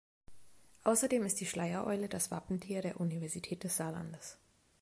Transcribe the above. Außerdem ist die Schleiereule das Wappentier der Universität des Saarlandes.